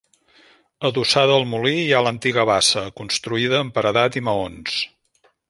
Adossada al molí, hi ha l'antiga bassa, construïda amb paredat i maons.